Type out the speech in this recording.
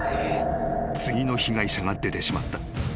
［次の被害者が出てしまった］